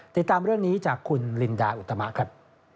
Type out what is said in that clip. ติดตามเรื่องนี้จากคุณลินดาอุตมะครับ